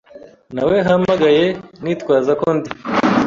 Nawehamagaye nitwaza ko ndi .